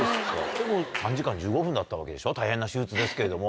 でも３時間１５分だったわけでしょ大変な手術ですけれども。